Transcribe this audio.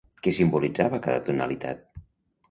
Què simbolitzava cada tonalitat?